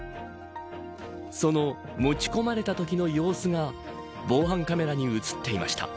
その持ち込まれたときの様子が防犯カメラに映っていました。